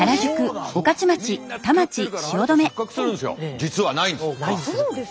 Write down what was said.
実はないんです。